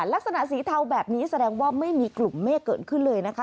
ลักษณะสีเทาแบบนี้แสดงว่าไม่มีกลุ่มเมฆเกิดขึ้นเลยนะคะ